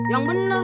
yang bener dong